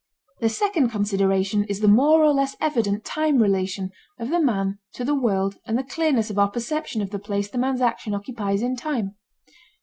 The second consideration is the more or less evident time relation of the man to the world and the clearness of our perception of the place the man's action occupies in time.